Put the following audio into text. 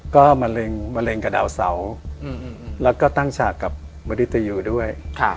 ก็มาเร็งกับดาวเสาร์และก็ตั้งฉากกับบริตรีอยู่ด้วย